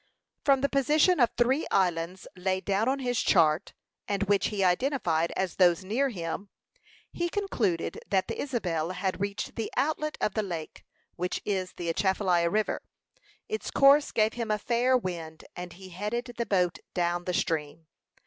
From the position of three islands laid down on his chart, and which he identified as those near him, he concluded that the Isabel had reached the outlet of the lake, which is the Atchafalaya River. Its course gave him a fair wind, and he headed the boat down the stream.